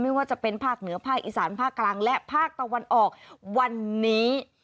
ไม่ว่าจะเป็นภาคเหนือภาคอีสานภาคกลางและภาคตะวันออกวันนี้